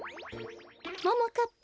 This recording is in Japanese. ももかっぱ。